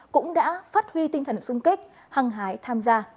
cũng đã phát huy tinh thần sung kích hăng hái tham gia